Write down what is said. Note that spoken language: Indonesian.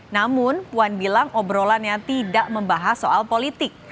namun puan bilang obrolannya tidak membahas soal politik